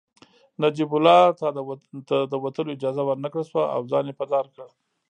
نجیب الله ته د وتلو اجازه ورنکړل شوه او ځان يې په دار کړ